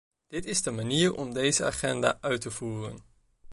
Dat is de manier om deze agenda uit te voeren.